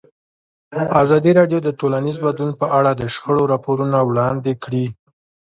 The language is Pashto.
ازادي راډیو د ټولنیز بدلون په اړه د شخړو راپورونه وړاندې کړي.